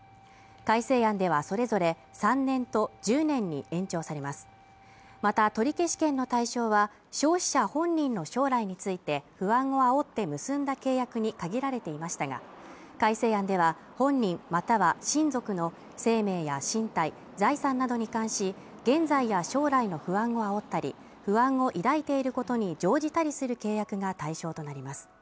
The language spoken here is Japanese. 改正案ではそれぞれ３年と１０年に延長されますまた取消権の対象は消費者本人の将来について不安をあおって結んだ契約に限られていましたが改正案では本人または親族の生命や身体財産などに関し現在や将来の不安をあおったり不安を抱いていることに乗じたりする契約が対象となります